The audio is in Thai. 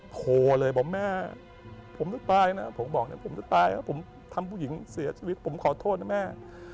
โทรเลยบอกแม่ผมต้องตายนะผมบอกเดี๋ยวผมจะตายผมทำผู้หญิงเสียชีวิตผมขอโทษนะแม่